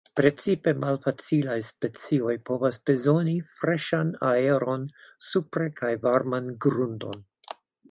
Precipe malfacilaj specioj povas bezoni freŝan aeron supre kaj varman grundon.